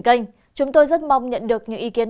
kênh chúng tôi rất mong nhận được những ý kiến